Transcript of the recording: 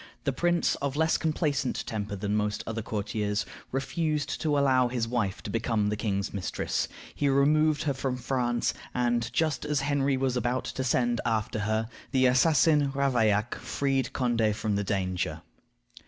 The prince, of less complacent temper than most other courtiers, refused to allow his wife to become the king's mistress. He removed her from France, and, just as Henry was about to send after her, the assassin Ravaillac freed Condé from the danger.